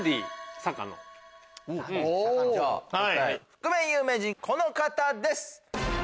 覆面有名人この方です！